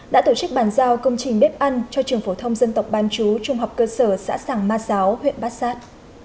đã tổ chức bàn giao công trình bếp ăn cho trường phổ thông dân tộc bán chú trung học cơ sở xã sản ma giáo huyện bát sát